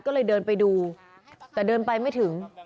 ก็เลยเดินไปดูแต่เดินไปไม่ถึง